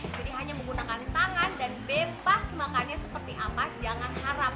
jadi hanya menggunakan tangan dan bebas makannya seperti apa jangan harap